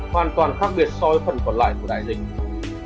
hoàn toàn khác biệt so với phần còn lại của đại dịch